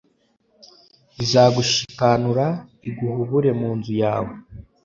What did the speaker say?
izagushikanura, iguhubure mu nzu yawe